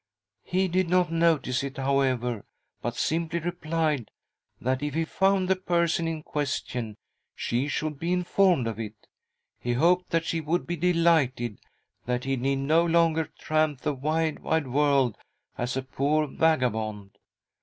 He did not notice it, however, but simply replied that if he found the person in question she should be informed of it. He hoped that she would, be delighted that he need no longer tramp the wide, wide world as a poor vagabond.